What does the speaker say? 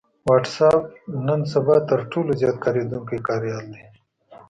وټس اېپ نن سبا تر ټولو زيات کارېدونکی کاريال دی